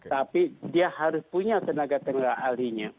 tapi dia harus punya tenaga tenaga ahlinya